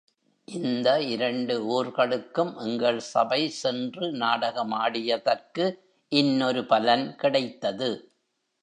இந்த இரண்டு ஊர்களுக்கும் எங்கள் சபை சென்று நாடகமாடியதற்கு இன்னொரு பலன் கிடைத்தது.